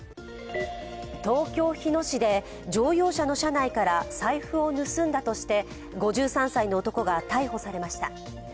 東京・日野市で乗用車の車内から財布を盗んだとして５３歳の男が逮捕されました。